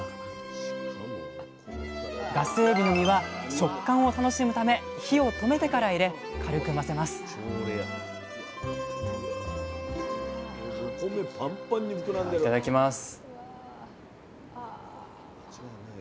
ガスエビの身は食感を楽しむため火を止めてから入れ軽く混ぜますではいただきます。